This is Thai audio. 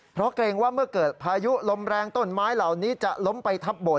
เพราะเกรงว่าเมื่อเกิดพายุลมแรงต้นไม้เหล่านี้จะล้มไปทับบน